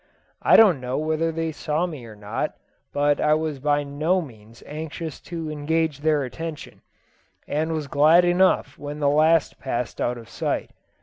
I don't know whether they saw me or not, but I was by no means anxious to engage their attention, and was glad enough when the last passed out of sight.